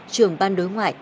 trưởng ban đối ngoại